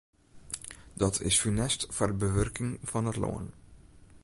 Dat is funest foar de bewurking fan it lân.